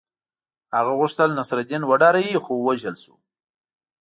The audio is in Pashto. هغه غوښتل نصرالدین وډاروي خو ووژل شو.